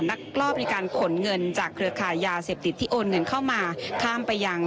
รอบในการขนเงินจากเครือขายยาเสพติดที่โอนเงินเข้ามาข้ามไปยัง